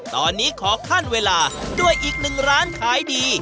ตอนนี้ขอขั้นเวลาด้วยอีกหนึ่งร้านขายดี